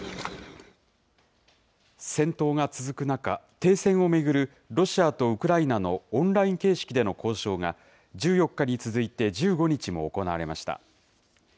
戦闘が続く中、停戦を巡るロシアとウクライナのオンライン形式での交渉が、１４日に続いて１５日も行われました。